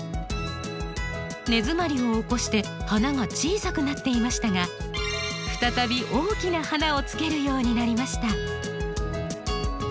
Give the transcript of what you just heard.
根詰まりを起こして花が小さくなっていましたが再び大きな花をつけるようになりました。